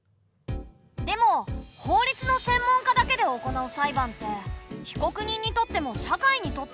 でも法律の専門家だけで行う裁判って被告人にとっても社会にとっても公正なのかな？